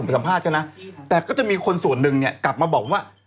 สัมภาษณ์เขานะแต่ก็จะมีคนส่วนหนึ่งเนี่ยกลับมาบอกว่า